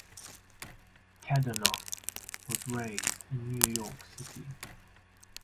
Kadanoff was raised in New York City.